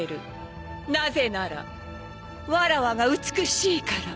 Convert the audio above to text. なぜならわらわが美しいから。